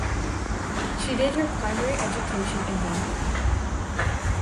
She did her primary education in Bangalore.